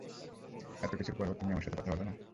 এতকিছুর পরও, তুমি আমার সাথে কথা বলবে না?